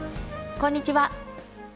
こんにちは。